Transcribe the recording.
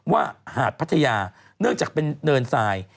หาดพัทยาเนื่องจากเป็นเนินทราย